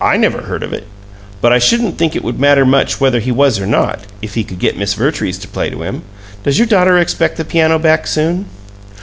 "I never heard of it. But I shouldn't think it would matter much whether he was or not, if he could get Miss Vertrees to play to him. Does your daughter expect the piano back soon?"